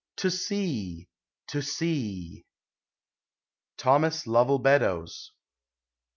To sea! to sea! THOMAS LOVELL BBnDOBS.